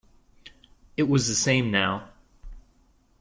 It was the same now.